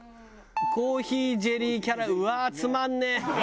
コーヒージェリーキャラメルうわーつまんねえ。